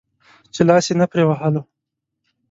چې لاس يې نه پرې وهلو.